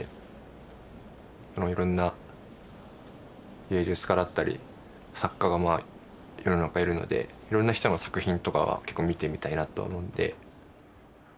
いろんな芸術家だったり作家がまあ世の中いるのでいろんな人の作品とかは結構見てみたいなと思うんで。